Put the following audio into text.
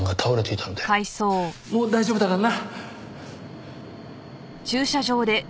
もう大丈夫だからな！